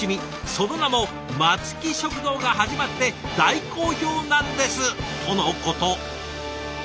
その名も『松木食堂』が始まって大好評なんです！」とのこと。